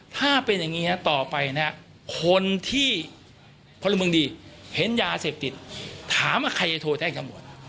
ถ้าเป็นอย่างงี้ต่อไปนะครับคนที่เห็นยาเสพติดถามว่าใครโทรแจ้งทั้งหมด